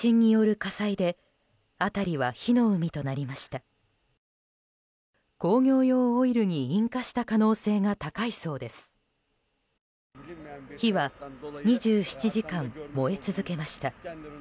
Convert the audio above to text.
火は２７時間燃え続けました。